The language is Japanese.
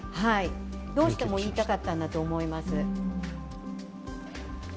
どうしても言いたかったんだと思います。